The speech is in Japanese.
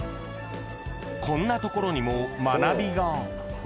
［こんなところにも学びが］